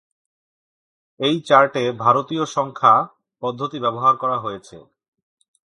এই চার্টে ভারতীয় সংখ্যা পদ্ধতি ব্যবহার করা হয়েছে